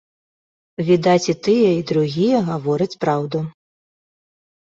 Відаць, і тыя і другія гавораць праўду.